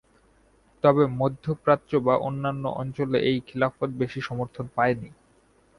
তবে মধ্য প্রাচ্য বা অন্যান্য অঞ্চলে এই খিলাফত বেশি সমর্থন পায়নি।